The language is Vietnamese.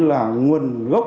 là nguồn gốc